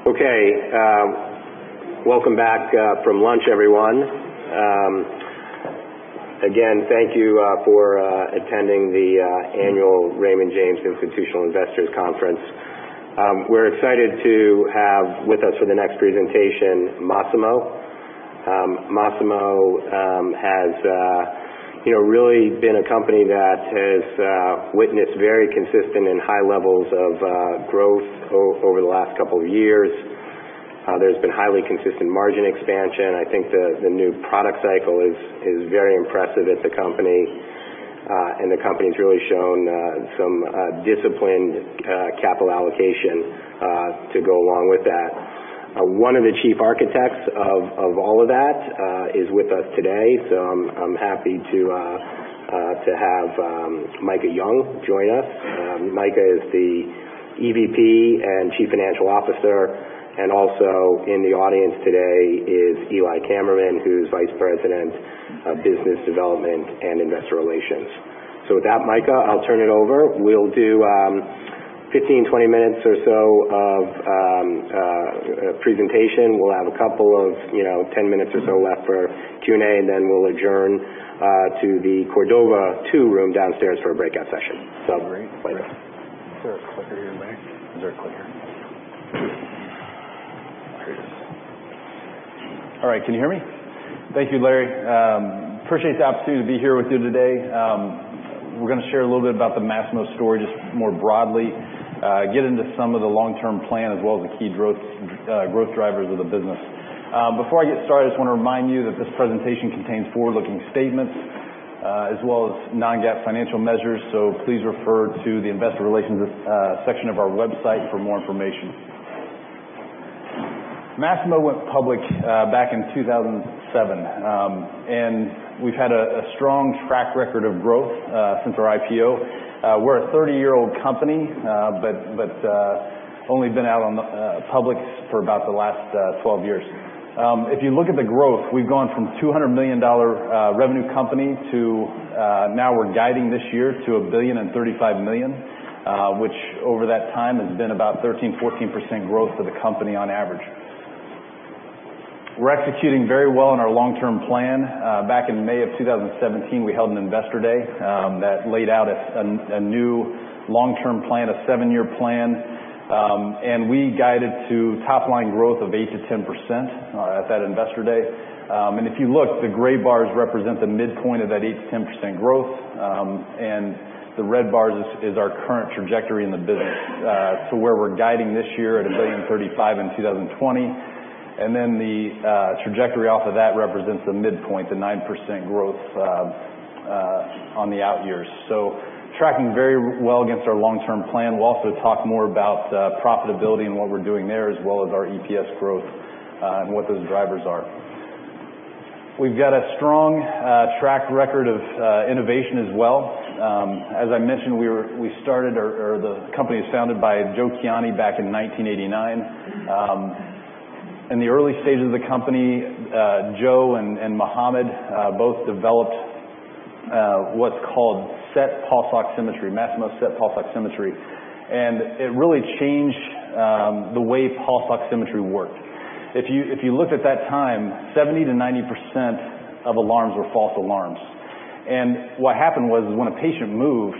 Okay, welcome back from lunch, everyone. Again, thank you for attending the annual Raymond James Institutional Investors Conference. We're excited to have with us for the next presentation, Masimo. Masimo has really been a company that has witnessed very consistent and high levels of growth over the last couple of years. There's been highly consistent margin expansion. I think the new product cycle is very impressive at the company, and the company's really shown some disciplined capital allocation to go along with that. One of the chief architects of all of that is with us today, so I'm happy to have Micah Young join us. Micah is the EVP and Chief Financial Officer, and also in the audience today is Eli Kammerman, who's Vice President of Business Development and Investor Relations. So with that, Micah, I'll turn it over. We'll do 15-20 minutes or so of presentation. We'll have a couple of 10 minutes or so left for Q&A, and then we'll adjourn to the Cordova 2 room downstairs for a breakout session. So, is there a clicker here in the back? Is there a clicker? There it is. All right, can you hear me? Thank you, Larry. Appreciate the opportunity to be here with you today. We're going to share a little bit about the Masimo story just more broadly, get into some of the long-term plan as well as the key growth drivers of the business. Before I get started, I just want to remind you that this presentation contains forward-looking statements as well as non-GAAP financial measures, so please refer to the Investor Relations section of our website for more information. Masimo went public back in 2007, and we've had a strong track record of growth since our IPO. We're a 30-year-old company, but only been out on the public for about the last 12 years. If you look at the growth, we've gone from a $200 million revenue company to now we're guiding this year to $1.035 billion, which over that time has been about 13%-14% growth for the company on average. We're executing very well on our long-term plan. Back in May of 2017, we held an Investor Day that laid out a new long-term plan, a seven-year plan, and we guided to top-line growth of 8%-10% at that Investor Day. If you look, the gray bars represent the midpoint of that 8%-10% growth, and the red bars is our current trajectory in the business to where we're guiding this year at $1.035 billion in 2020. And then the trajectory off of that represents the midpoint, the 9% growth on the out years. Tracking very well against our long-term plan. We'll also talk more about profitability and what we're doing there as well as our EPS growth and what those drivers are. We've got a strong track record of innovation as well. As I mentioned, we started or the company was founded by Joe Kiani back in 1989. In the early stages of the company, Joe and Mohamed both developed what's called SET pulse oximetry, Masimo SET pulse oximetry, and it really changed the way pulse oximetry worked. If you looked at that time, 70%-90% of alarms were false alarms. What happened was when a patient moved,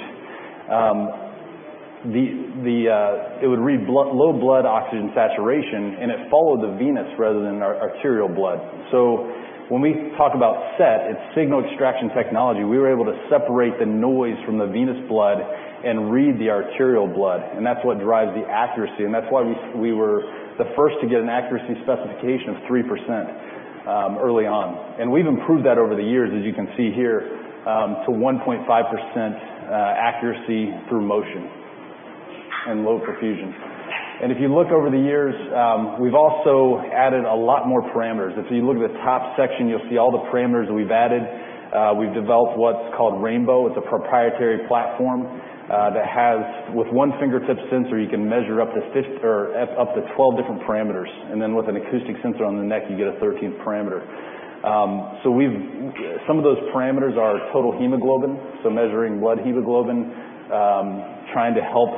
it would read low blood oxygen saturation, and it followed the venous rather than arterial blood. When we talk about SET, it's signal extraction technology. We were able to separate the noise from the venous blood and read the arterial blood, and that's what drives the accuracy, and that's why we were the first to get an accuracy specification of 3% early on, and we've improved that over the years, as you can see here, to 1.5% accuracy through motion and low perfusion, and if you look over the years, we've also added a lot more parameters. If you look at the top section, you'll see all the parameters that we've added. We've developed what's called Rainbow. It's a proprietary platform that has, with one fingertip sensor, you can measure up to 12 different parameters, and then with an acoustic sensor on the neck, you get a 13th parameter, so some of those parameters are total hemoglobin, so measuring blood hemoglobin, trying to help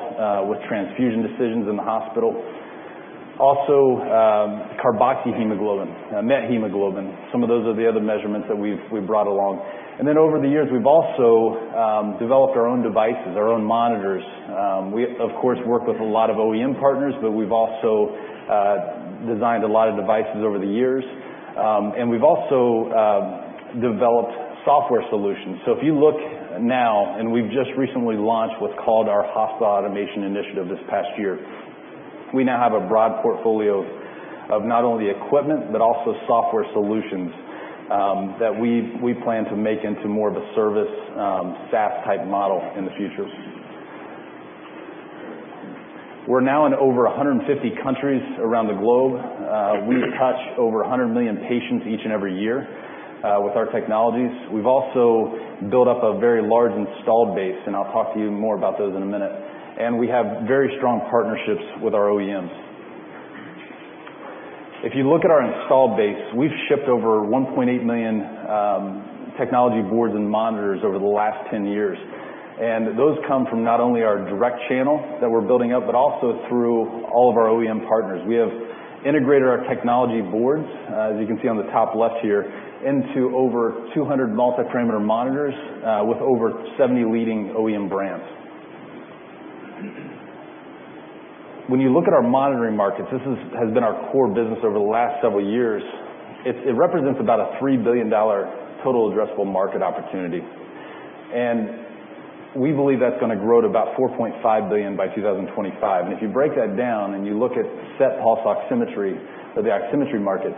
with transfusion decisions in the hospital. Also, carboxyhemoglobin, methemoglobin. Some of those are the other measurements that we've brought along. And then over the years, we've also developed our own devices, our own monitors. We, of course, work with a lot of OEM partners, but we've also designed a lot of devices over the years, and we've also developed software solutions. So if you look now, and we've just recently launched what's called our Hospital Automation Initiative this past year, we now have a broad portfolio of not only equipment but also software solutions that we plan to make into more of a service SaaS-type model in the future. We're now in over 150 countries around the globe. We touch over 100 million patients each and every year with our technologies. We've also built up a very large installed base, and I'll talk to you more about those in a minute, and we have very strong partnerships with our OEMs. If you look at our installed base, we've shipped over 1.8 million technology boards and monitors over the last 10 years, and those come from not only our direct channel that we're building up but also through all of our OEM partners. We have integrated our technology boards, as you can see on the top left here, into over 200 multi-parameter monitors with over 70 leading OEM brands. When you look at our monitoring markets, this has been our core business over the last several years. It represents about a $3 billion total addressable market opportunity, and we believe that's going to grow to about $4.5 billion by 2025. And if you break that down and you look at SET pulse oximetry or the oximetry market,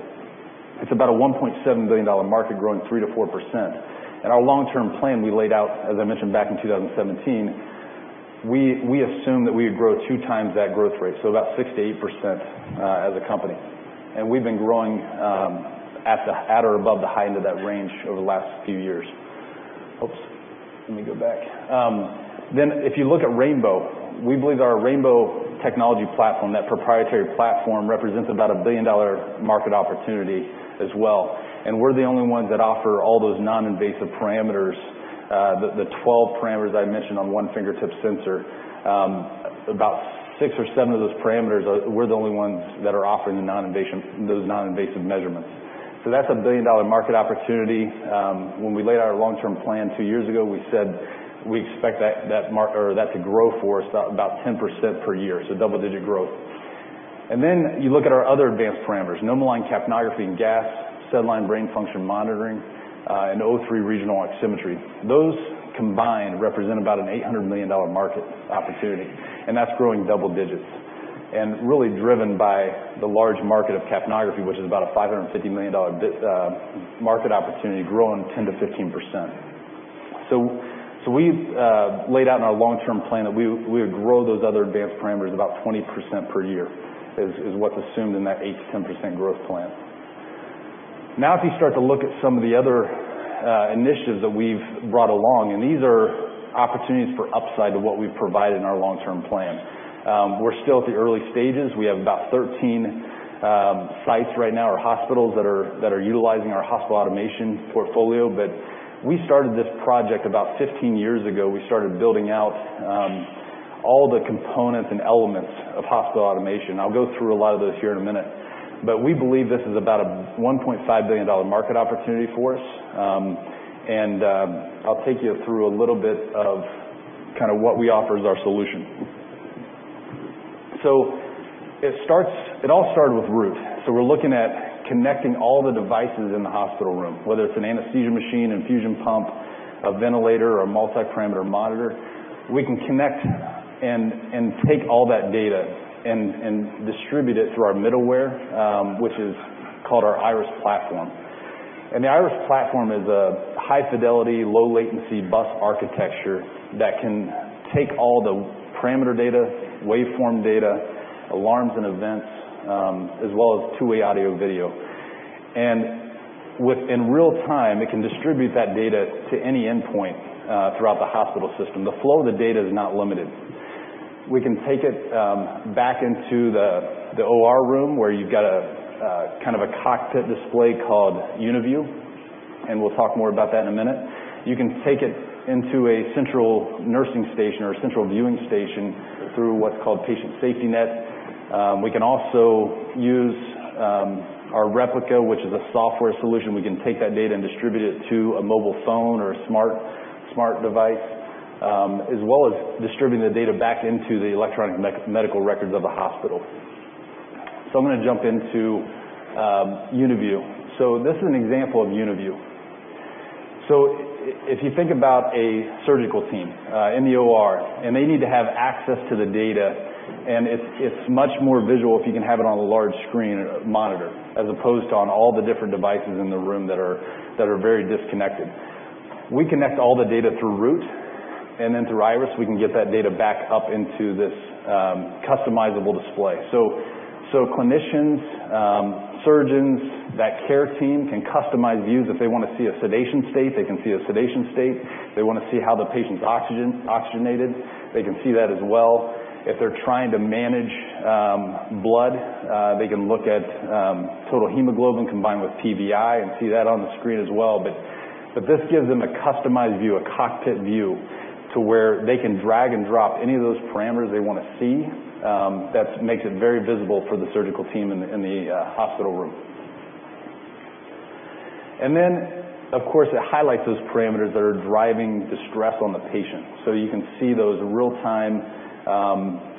it's about a $1.7 billion market growing 3%-4%. And our long-term plan we laid out, as I mentioned, back in 2017, we assumed that we would grow 2x that growth rate, so about 6%-8% as a company, and we've been growing at or above the high end of that range over the last few years. Oops, let me go back. Then if you look at Rainbow, we believe our Rainbow technology platform, that proprietary platform, represents about a billion-dollar market opportunity as well, and we're the only ones that offer all those non-invasive parameters, the 12 parameters I mentioned on one fingertip sensor. About six or seven of those parameters, we're the only ones that are offering those non-invasive measurements. So that's a billion-dollar market opportunity. When we laid out our long-term plan two years ago, we said we expect that to grow for us about 10% per year, so double-digit growth, and then you look at our other advanced parameters: NomoLine capnography and gas, SedLine brain function monitoring, and O3 regional oximetry. Those combined represent about an $800 million market opportunity, and that's growing double digits and really driven by the large market of capnography, which is about a $550 million market opportunity growing 10%-15%. So we laid out in our long-term plan that we would grow those other advanced parameters about 20% per year is what's assumed in that 8%-10% growth plan. Now, if you start to look at some of the other initiatives that we've brought along, and these are opportunities for upside to what we've provided in our long-term plan. We're still at the early stages. We have about 13 sites right now or hospitals that are utilizing our Hospital Automation portfolio, but we started this project about 15 years ago. We started building out all the components and elements of Hospital Automation. I'll go through a lot of those here in a minute, but we believe this is about a $1.5 billion market opportunity for us, and I'll take you through a little bit of kind of what we offer as our solution. So it all started with Root. So we're looking at connecting all the devices in the hospital room, whether it's an anesthesia machine, infusion pump, a ventilator, or a multi-parameter monitor. We can connect and take all that data and distribute it through our middleware, which is called our Iris platform. The Iris platform is a high-fidelity, low-latency bus architecture that can take all the parameter data, waveform data, alarms and events, as well as two-way audio video. In real time, it can distribute that data to any endpoint throughout the hospital system. The flow of the data is not limited. We can take it back into the OR room where you've got kind of a cockpit display called UniView, and we'll talk more about that in a minute. You can take it into a central nursing station or a central viewing station through what's called Patient SafetyNet. We can also use our Replica, which is a software solution. We can take that data and distribute it to a mobile phone or a smart device, as well as distributing the data back into the electronic medical records of the hospital. I'm going to jump into UniView. This is an example of UniView. If you think about a surgical team in the OR, and they need to have access to the data, and it's much more visual if you can have it on a large screen monitor as opposed to on all the different devices in the room that are very disconnected. We connect all the data through Root, and then through Iris, we can get that data back up into this customizable display. Clinicians, surgeons, that care team can customize views. If they want to see a sedation state, they can see a sedation state. If they want to see how the patient's oxygenated, they can see that as well. If they're trying to manage blood, they can look at total hemoglobin combined with PVi and see that on the screen as well. But this gives them a customized view, a cockpit view, to where they can drag and drop any of those parameters they want to see. That makes it very visible for the surgical team in the hospital room. And then, of course, it highlights those parameters that are driving distress on the patient. So you can see those real time.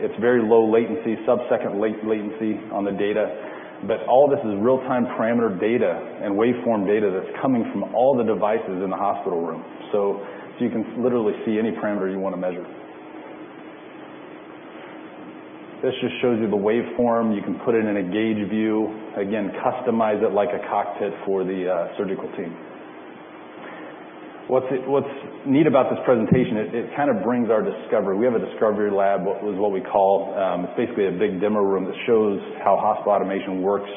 It's very low latency, sub-second latency on the data, but all this is real-time parameter data and waveform data that's coming from all the devices in the hospital room. So you can literally see any parameter you want to measure. This just shows you the waveform. You can put it in a gauge view, again, customize it like a cockpit for the surgical team. What's neat about this presentation, it kind of brings our discovery. We have a Discovery Lab, what we call. It's basically a big demo room that shows how hospital automation works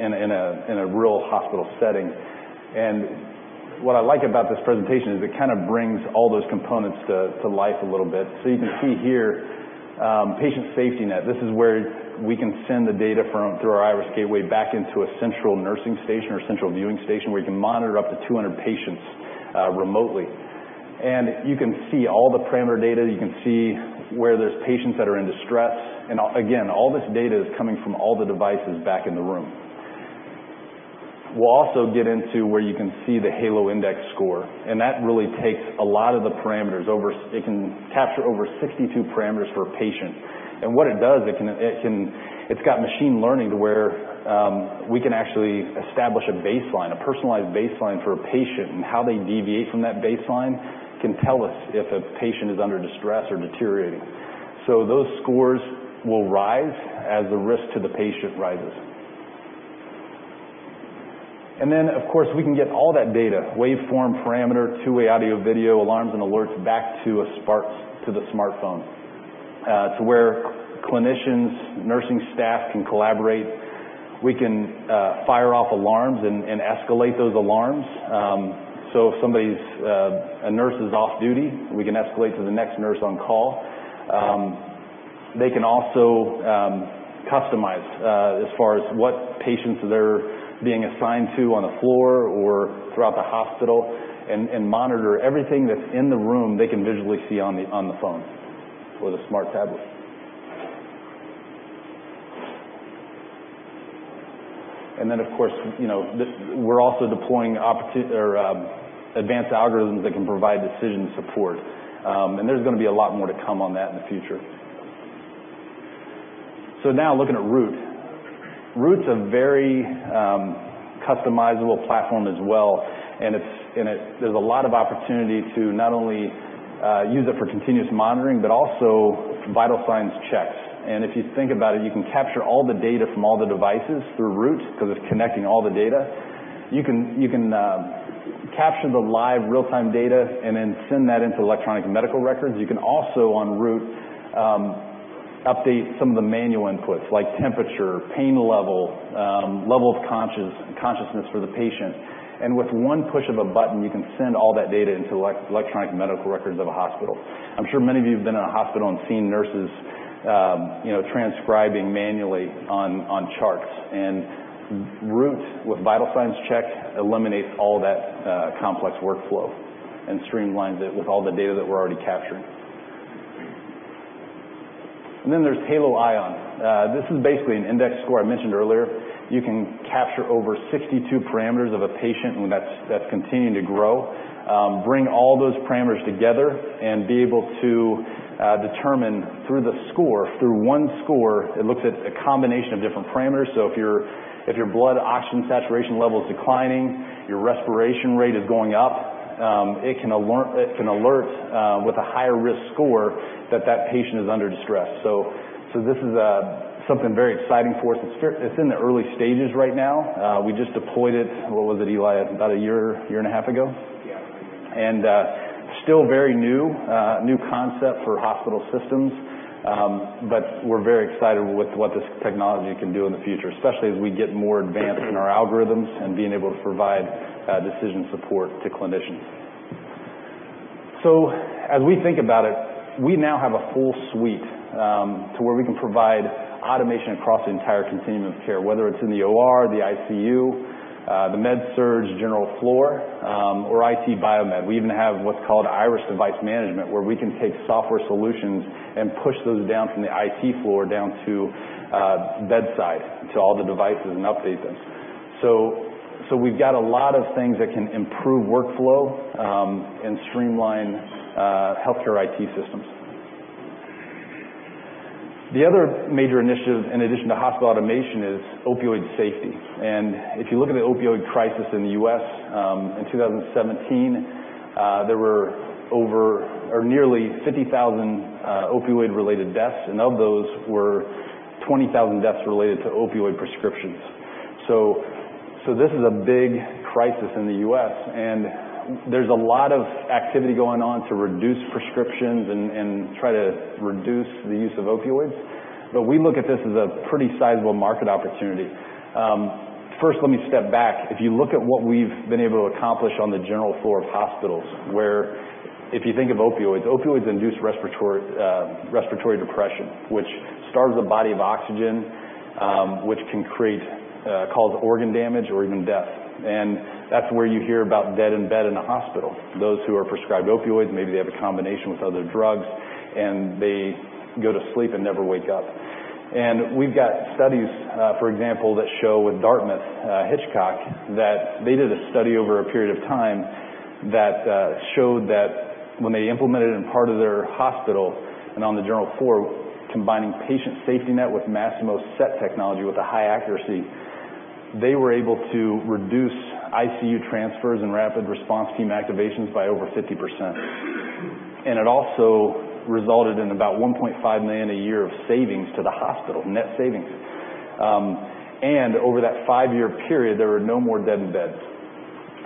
in a real hospital setting, and what I like about this presentation is it kind of brings all those components to life a little bit, so you can see here, Patient SafetyNet. This is where we can send the data through our Iris Gateway back into a central nursing station or central viewing station where you can monitor up to 200 patients remotely, and you can see all the parameter data. You can see where there's patients that are in distress, and again, all this data is coming from all the devices back in the room. We'll also get into where you can see the Halo Index Score, and that really takes a lot of the parameters. It can capture over 62 parameters for a patient. And what it does, it's got machine learning to where we can actually establish a baseline, a personalized baseline for a patient, and how they deviate from that baseline can tell us if a patient is under distress or deteriorating. So those scores will rise as the risk to the patient rises. And then, of course, we can get all that data: waveform, parameter, two-way audio video, alarms and alerts back to the smartphone, to where clinicians, nursing staff can collaborate. We can fire off alarms and escalate those alarms. So if a nurse is off duty, we can escalate to the next nurse on call. They can also customize as far as what patients they're being assigned to on the floor or throughout the hospital and monitor everything that's in the room they can visually see on the phone or the smart tablet. And then, of course, we're also deploying advanced algorithms that can provide decision support, and there's going to be a lot more to come on that in the future. So now looking at Root. Root's a very customizable platform as well, and there's a lot of opportunity to not only use it for continuous monitoring but also Vital Signs Checks. And if you think about it, you can capture all the data from all the devices through Root because it's connecting all the data. You can capture the live, real-time data and then send that into electronic medical records. You can also, on Root, update some of the manual inputs like temperature, pain level, level of consciousness for the patient. And with one push of a button, you can send all that data into electronic medical records of a hospital. I'm sure many of you have been in a hospital and seen nurses transcribing manually on charts, and Root, with Vital Signs Check, eliminates all that complex workflow and streamlines it with all the data that we're already capturing, and then there's Halo ION. This is basically an index score I mentioned earlier. You can capture over 62 parameters of a patient, and that's continuing to grow, bring all those parameters together, and be able to determine through the score, through one score, it looks at a combination of different parameters, so if your blood oxygen saturation level is declining, your respiration rate is going up, it can alert with a higher risk score that that patient is under distress, so this is something very exciting for us. It's in the early stages right now. We just deployed it, what was it, Eli, about a year, year and a half ago? Yeah. And still very new, new concept for hospital systems, but we're very excited with what this technology can do in the future, especially as we get more advanced in our algorithms and being able to provide decision support to clinicians. So as we think about it, we now have a full suite to where we can provide automation across the entire continuum of care, whether it's in the OR, the ICU, the Med-Surg, general floor, or IT biomed. We even have what's called Iris Device Management, where we can take software solutions and push those down from the IT floor down to bedside to all the devices and update them. So we've got a lot of things that can improve workflow and streamline healthcare IT systems. The other major initiative, in addition to hospital automation, is opioid safety. If you look at the opioid crisis in the U.S., in 2017, there were over or nearly 50,000 opioid-related deaths, and of those were 20,000 deaths related to opioid prescriptions. So this is a big crisis in the U.S., and there's a lot of activity going on to reduce prescriptions and try to reduce the use of opioids, but we look at this as a pretty sizable market opportunity. First, let me step back. If you look at what we've been able to accomplish on the general floor of hospitals, where if you think of opioids, opioids induce respiratory depression, which starves the body of oxygen, which can create cause organ damage or even death. And that's where you hear about Dead in Bed in a hospital. Those who are prescribed opioids, maybe they have a combination with other drugs, and they go to sleep and never wake up. We've got studies, for example, that show with Dartmouth-Hitchcock that they did a study over a period of time that showed that when they implemented it in part of their hospital and on the general floor, combining Patient SafetyNet with Masimo SET technology with a high accuracy, they were able to reduce ICU transfers and rapid response team activations by over 50%. And it also resulted in about $1.5 million a year of savings to the hospital, net savings. And over that five-year period, there were no more Dead in Bed.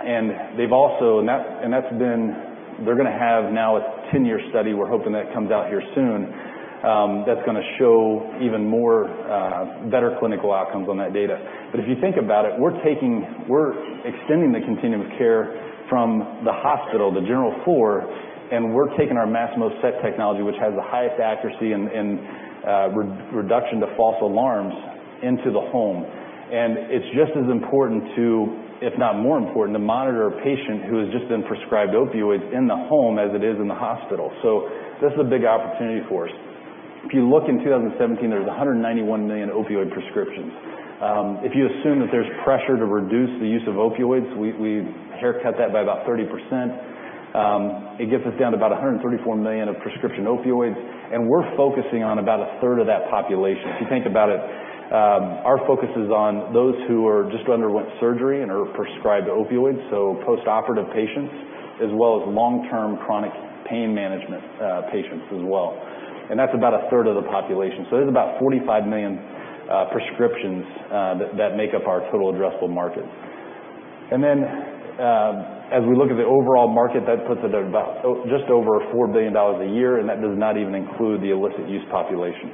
And they've also, and that's been, they're going to have now a 10-year study. We're hoping that comes out here soon that's going to show even more better clinical outcomes on that data. But if you think about it, we're extending the continuum of care from the hospital, the general floor, and we're taking our Masimo SET technology, which has the highest accuracy and reduction to false alarms, into the home, and it's just as important to, if not more important, to monitor a patient who has just been prescribed opioids in the home as it is in the hospital, so this is a big opportunity for us. If you look in 2017, there's 191 million opioid prescriptions. If you assume that there's pressure to reduce the use of opioids, we haircut that by about 30%. It gets us down to about 134 million of prescription opioids, and we're focusing on about a third of that population. If you think about it, our focus is on those who just underwent surgery and are prescribed opioids, so post-operative patients, as well as long-term chronic pain management patients as well, and that's about a third of the population, so there's about 45 million prescriptions that make up our total addressable market, and then as we look at the overall market, that puts it at just over $4 billion a year, and that does not even include the illicit use population.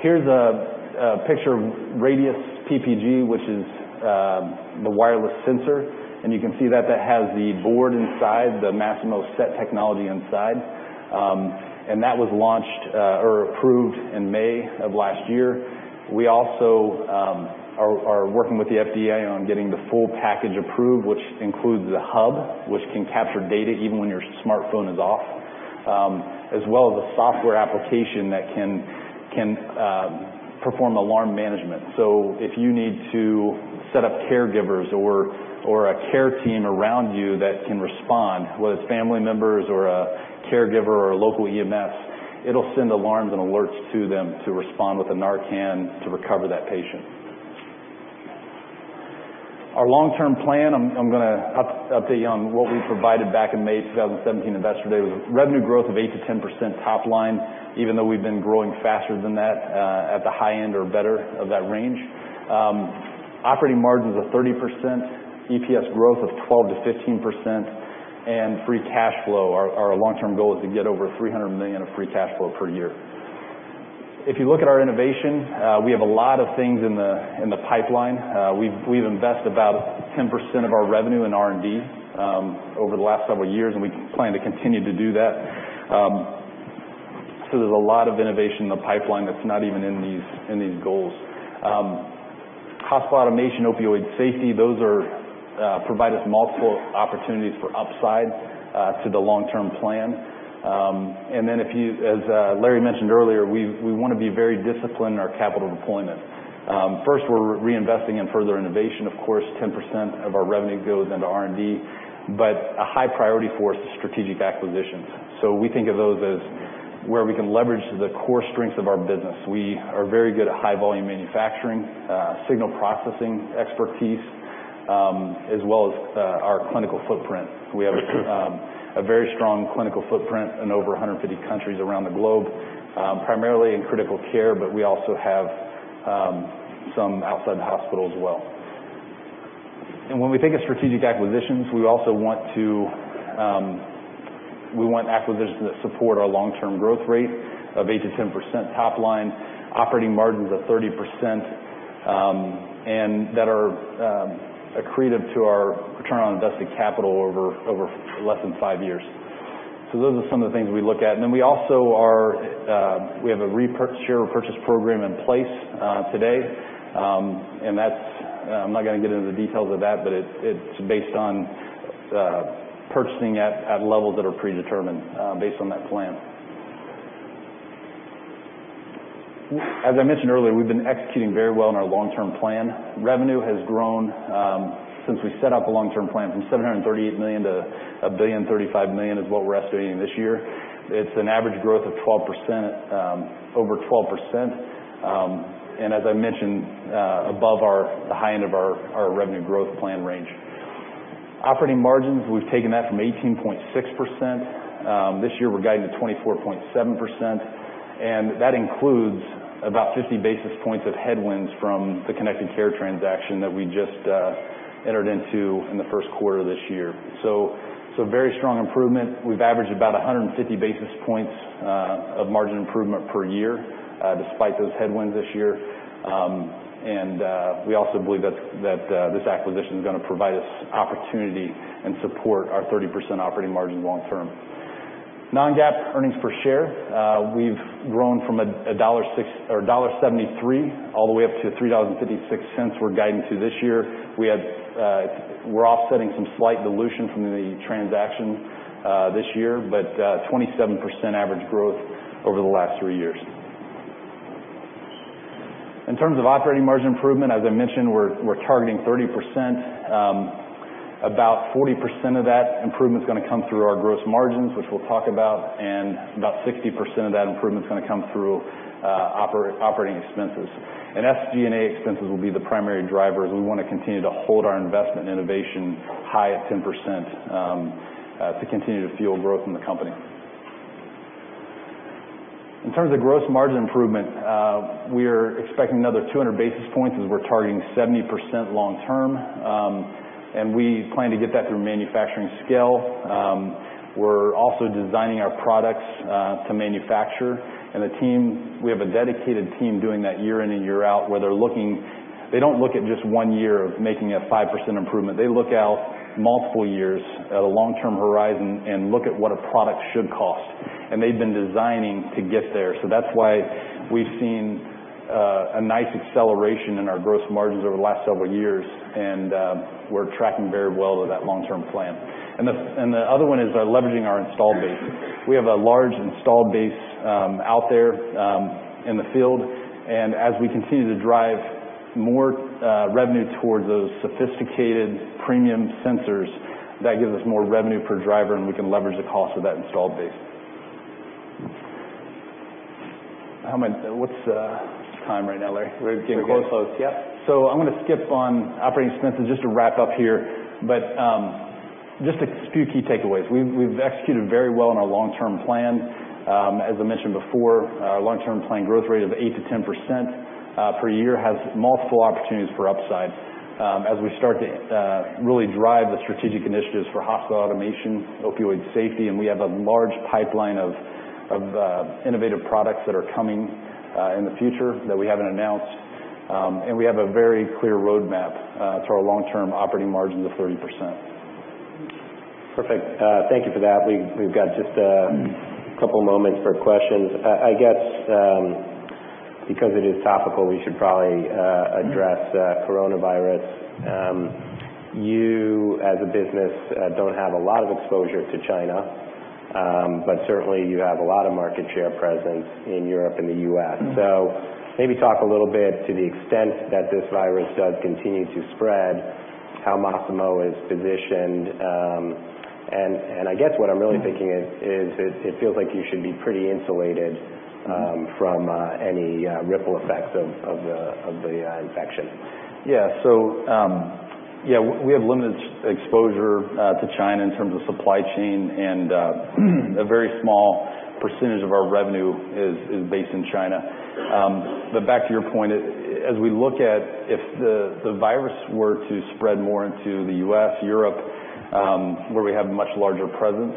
Here's a picture of Radius PPG, which is the wireless sensor, and you can see that that has the board inside, the Masimo SET technology inside. And that was launched or approved in May of last year. We also are working with the FDA on getting the full package approved, which includes a hub, which can capture data even when your smartphone is off, as well as a software application that can perform alarm management. So if you need to set up caregivers or a care team around you that can respond, whether it's family members or a caregiver or a local EMS, it'll send alarms and alerts to them to respond with a Narcan to recover that patient. Our long-term plan, I'm going to update you on what we provided back in May 2017 Investor Day, was revenue growth of 8%-10% top line, even though we've been growing faster than that at the high end or better of that range. Operating margins of 30%, EPS growth of 12%-15%, and free cash flow. Our long-term goal is to get over $300 million of free cash flow per year. If you look at our innovation, we have a lot of things in the pipeline. We've invested about 10% of our revenue in R&D over the last several years, and we plan to continue to do that. So there's a lot of innovation in the pipeline that's not even in these goals. Hospital automation, opioid safety, those provide us multiple opportunities for upside to the long-term plan. And then as Larry mentioned earlier, we want to be very disciplined in our capital deployment. First, we're reinvesting in further innovation. Of course, 10% of our revenue goes into R&D, but a high priority for us is strategic acquisitions. So we think of those as where we can leverage the core strengths of our business. We are very good at high-volume manufacturing, signal processing expertise, as well as our clinical footprint. We have a very strong clinical footprint in over 150 countries around the globe, primarily in critical care, but we also have some outside the hospital as well, and when we think of strategic acquisitions, we also want acquisitions that support our long-term growth rate of 8%-10% top line, operating margins of 30%, and that are accretive to our return on invested capital over less than five years. So those are some of the things we look at, and then we also have a share purchase program in place today, and I'm not going to get into the details of that, but it's based on purchasing at levels that are predetermined based on that plan. As I mentioned earlier, we've been executing very well in our long-term plan. Revenue has grown since we set up a long-term plan from $738 million to $1.035 billion, which is what we're estimating this year. It's an average growth of over 12%, and as I mentioned, above the high end of our revenue growth plan range. Operating margins, we've taken that from 18.6%. This year, we're guiding to 24.7%, and that includes about 50 basis points of headwinds from the Connected Care transaction that we just entered into in the first quarter of this year. Very strong improvement. We've averaged about 150 basis points of margin improvement per year despite those headwinds this year, and we also believe that this acquisition is going to provide us opportunity and support our 30% operating margins long-term. Non-GAAP earnings per share, we've grown from $1.73 all the way up to $3.56, which we're guiding to this year. We're offsetting some slight dilution from the transaction this year, but 27% average growth over the last three years. In terms of operating margin improvement, as I mentioned, we're targeting 30%. About 40% of that improvement is going to come through our gross margins, which we'll talk about, and about 60% of that improvement is going to come through operating expenses. And SG&A expenses will be the primary drivers. We want to continue to hold our investment in innovation high at 10% to continue to fuel growth in the company. In terms of gross margin improvement, we are expecting another 200 basis points as we're targeting 70% long-term, and we plan to get that through manufacturing scale. We're also designing our products to manufacture, and the team, we have a dedicated team doing that year in and year out where they're looking. They don't look at just one year of making a 5% improvement. They look out multiple years at a long-term horizon and look at what a product should cost, and they've been designing to get there. So that's why we've seen a nice acceleration in our gross margins over the last several years, and we're tracking very well to that long-term plan. And the other one is leveraging our installed base. We have a large installed base out there in the field, and as we continue to drive more revenue towards those sophisticated premium sensors, that gives us more revenue per driver, and we can leverage the cost of that installed base. What's time right now, Larry? We're getting close. We're close. Yep. So I'm going to skip on operating expenses just to wrap up here, but just a few key takeaways. We've executed very well in our long-term plan. As I mentioned before, our long-term plan growth rate of 8%-10% per year has multiple opportunities for upside as we start to really drive the strategic initiatives for hospital automation, opioid safety, and we have a large pipeline of innovative products that are coming in the future that we haven't announced, and we have a very clear roadmap to our long-term operating margins of 30%. Perfect. Thank you for that. We've got just a couple moments for questions. I guess because it is topical, we should probably address coronavirus. You, as a business, don't have a lot of exposure to China, but certainly you have a lot of market share presence in Europe and the U.S. So maybe talk a little bit to the extent that this virus does continue to spread, how Masimo is positioned, and I guess what I'm really thinking is it feels like you should be pretty insulated from any ripple effects of the infection. Yeah, so yeah, we have limited exposure to China in terms of supply chain, and a very small percentage of our revenue is based in China. But back to your point, as we look at if the virus were to spread more into the U.S., Europe, where we have a much larger presence,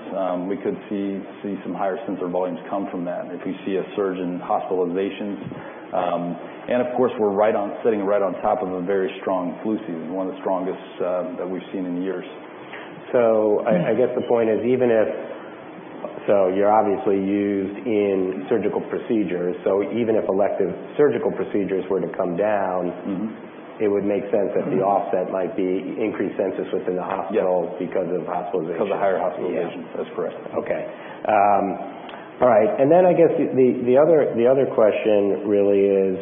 we could see some higher sensor volumes come from that if we see a surge in hospitalizations, and of course, we're sitting right on top of a very strong flu season, one of the strongest that we've seen in years. So, I guess the point is even if, so you're obviously used in surgical procedures, so even if elective surgical procedures were to come down, it would make sense that the offset might be increased census within the hospital because of hospitalization. Because of higher hospitalizations. That's correct. Okay. All right. And then I guess the other question really is,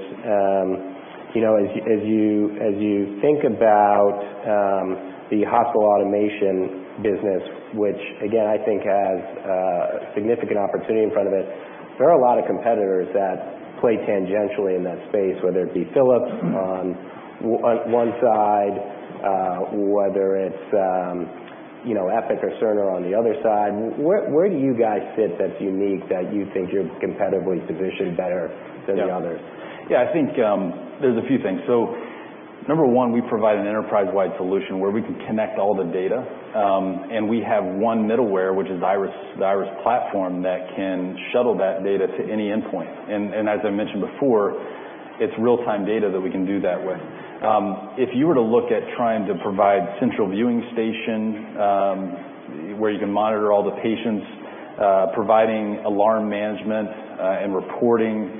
as you think about the hospital automation business, which again, I think has a significant opportunity in front of it, there are a lot of competitors that play tangentially in that space, whether it be Philips on one side, whether it's Epic or Cerner on the other side. Where do you guys sit that's unique that you think you're competitively positioned better than the others? Yeah. I think there's a few things. So number one, we provide an enterprise-wide solution where we can connect all the data, and we have one middleware, which is the Iris platform, that can shuttle that data to any endpoint. And as I mentioned before, it's real-time data that we can do that with. If you were to look at trying to provide central viewing station where you can monitor all the patients, providing alarm management and reporting,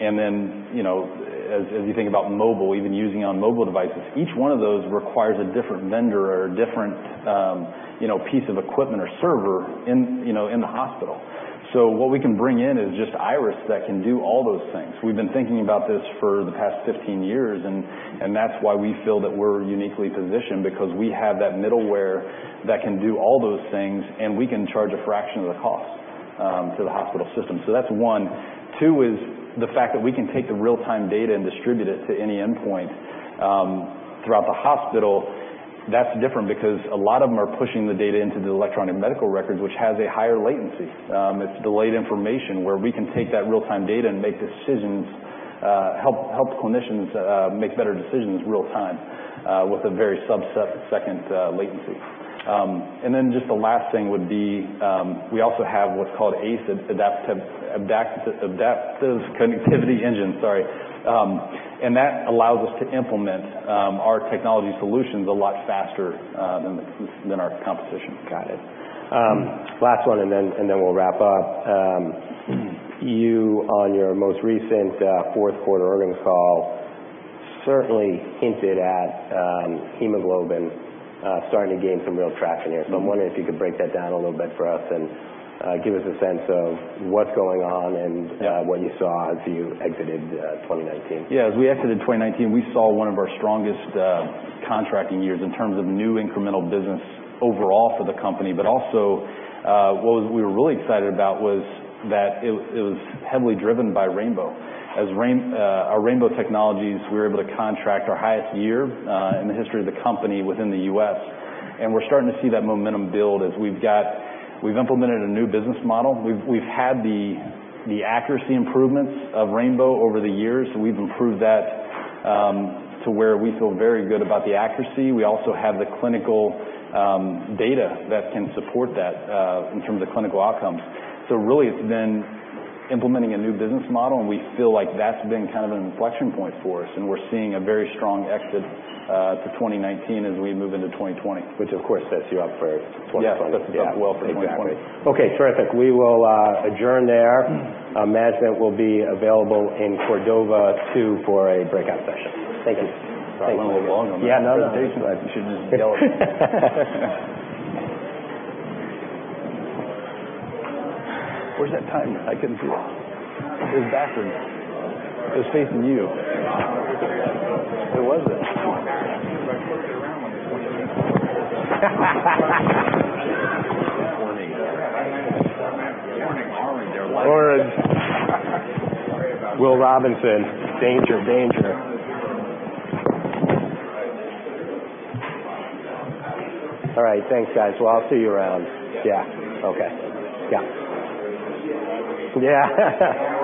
and then as you think about mobile, even using on mobile devices, each one of those requires a different vendor or a different piece of equipment or server in the hospital. So what we can bring in is just Iris that can do all those things. We've been thinking about this for the past 15 years, and that's why we feel that we're uniquely positioned because we have that middleware that can do all those things, and we can charge a fraction of the cost to the hospital system. So that's one. Two is the fact that we can take the real-time data and distribute it to any endpoint throughout the hospital. That's different because a lot of them are pushing the data into the electronic medical records, which has a higher latency. It's delayed information where we can take that real-time data and make decisions, help clinicians make better decisions real-time with a very subsecond latency. And then just the last thing would be we also have what's called ACE, Adaptive Connectivity Engine, sorry, and that allows us to implement our technology solutions a lot faster than our competition. Got it. Last one, and then we'll wrap up. You, on your most recent fourth quarter earnings call, certainly hinted at hemoglobin starting to gain some real traction here. So I'm wondering if you could break that down a little bit for us and give us a sense of what's going on and what you saw as you exited 2019. Yeah. As we exited 2019, we saw one of our strongest contracting years in terms of new incremental business overall for the company, but also what we were really excited about was that it was heavily driven by Rainbow. As Rainbow Technologies, we were able to contract our highest year in the history of the company within the U.S., and we're starting to see that momentum build as we've implemented a new business model. We've had the accuracy improvements of Rainbow over the years, so we've improved that to where we feel very good about the accuracy. We also have the clinical data that can support that in terms of clinical outcomes. So really, it's been implementing a new business model, and we feel like that's been kind of an inflection point for us, and we're seeing a very strong exit to 2019 as we move into 2020, which of course sets you up for 2020. Yes. That's well for 2020. Okay. Terrific. We will adjourn there. Management will be available in Cordova 2 for a breakout session. Thank you. Thanks. Well, welcome. Yeah. Not a presentation. I should just yell at you. Where's that timer? I couldn't see it. It was backwards. It was facing you. It wasn't. Will Robinson. Danger, danger. All right. Thanks, guys. Well, I'll see you around. Yeah. Okay. Yeah. Yeah. And.